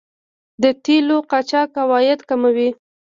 د تیلو قاچاق عواید کموي.